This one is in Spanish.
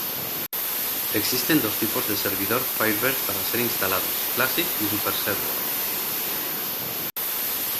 Existen dos tipos de servidor Firebird para ser instalados: Classic y Super server.